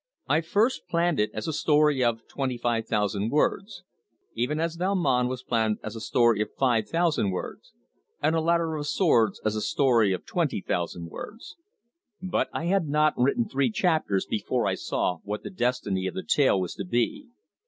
I first planned it as a story of twenty five thousand words, even as 'Valmond' was planned as a story of five thousand words, and 'A Ladder of Swords' as a story of twenty thousand words; but I had not written three chapters before I saw what the destiny of the tale was to be.